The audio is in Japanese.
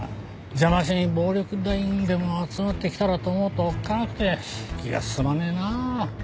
邪魔しに暴力団員でも集まってきたらと思うとおっかなくて気が進まねえなあ。